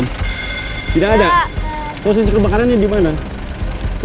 mau ketemu dimana ya